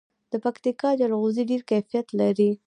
د پکتیکا جلغوزي ډیر کیفیت لري.